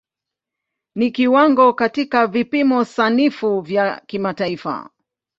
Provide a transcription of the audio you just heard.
Ni kiwango katika vipimo sanifu vya kimataifa.